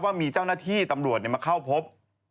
ว่ามีเจ้าหน้าที่ตำรวจมาเข้าพบ